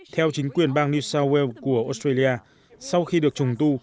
theo chính quyền bang new south wales của australia sau khi được trùng tu